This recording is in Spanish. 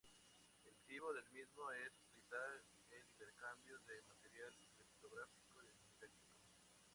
El objetivo del mismo es facilitar el intercambio de material criptográfico didáctico.